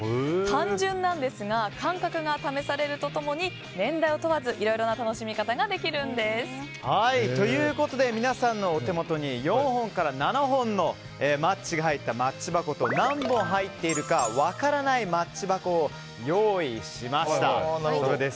単純なんですが感覚が試されると共に年代を問わずいろいろな皆さんのお手元に４本から７本のマッチが入ったマッチ箱と何本入っているか分からないマッチ箱を用意しました。